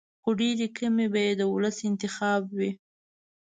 خو ډېرې کمې به یې د ولس انتخاب وي.